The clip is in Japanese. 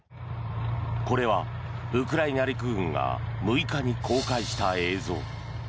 これはウクライナ陸軍が６日に公開した映像。